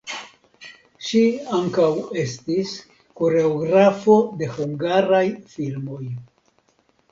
Ŝi ankaŭ estis koreografo de hungaraj filmoj.